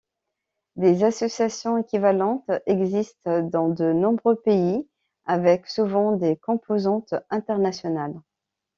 Des associations équivalentes existent dans de nombreux pays, avec souvent des composantes internationales.